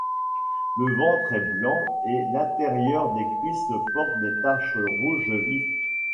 Le ventre est blanc et l'intérieur des cuisses porte des taches rouge vif.